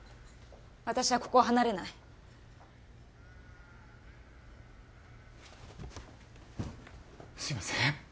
私はここを離れないすいません